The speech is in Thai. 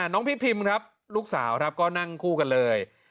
พี่พิมครับลูกสาวครับก็นั่งคู่กันเลย